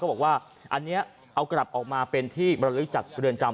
บอกว่าอันนี้เอากลับออกมาเป็นที่บรรลึกจากเรือนจำ